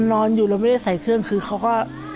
นอนอยู่แล้วไม่ได้ใส่เครื่องคือเขาก็